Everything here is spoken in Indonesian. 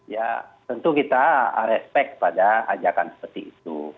ya tentu kita respect pada ajakan seperti itu